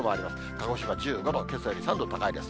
鹿児島１５度、けさより３度高いです。